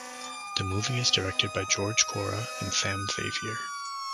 The movie is directed by George Kora and Sam Xavier.